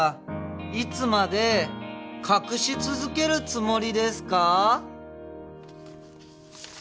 いつまで隠し続けるつもりですか？